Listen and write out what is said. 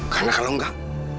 karena kalau enggak